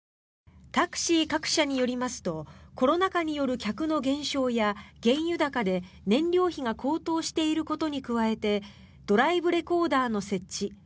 タクシー各社によりますとコロナ禍による客の減少や原油高で燃料費が高騰していることに加えてドライブレコーダーの設置